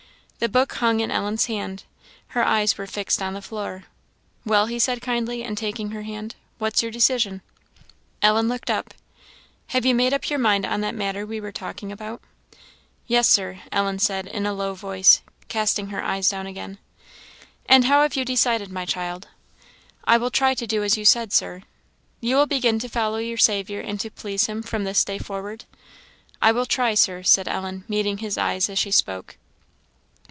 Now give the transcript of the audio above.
The book hung in Ellen's hand; her eyes were fixed on the floor. "Well," he said, kindly, and taking her hand, "what's your decision?" Ellen looked up. "Have you made up your mind on that matter we were talking about?" "Yes, Sir," Ellen said, in a low voice, casting her eyes down again. "And how have you decided, my child?" "I will try to do as you said, Sir." "You will begin to follow your Saviour, and to please him, from this day forward?" "I will try, Sir," said Ellen, meeting his eyes as she spoke.